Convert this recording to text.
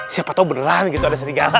siapa tau beneran gitu ada serigala